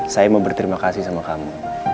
saya mau berterima kasih sama kamu